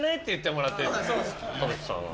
田臥さんは？